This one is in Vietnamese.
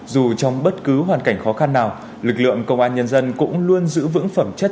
dù trong bất cứ hoàn cảnh khó khăn nào lực lượng công an nhân dân cũng luôn giữ vững phẩm chất